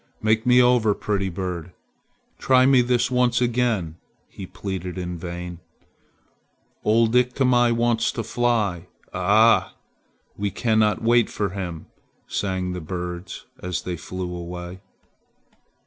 "Make me over, pretty bird. Try me this once again!" he pleaded in vain. "Old Iktomi wants to fly! Ah! We cannot wait for him!" sang the birds as they flew away.